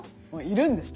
いるんです